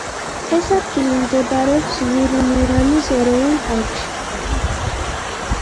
ეს ადგილი მდებარეობს ვურუნურანის ეროვნულ პარკში.